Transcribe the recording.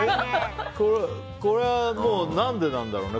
これはもう、何でなんだろうね。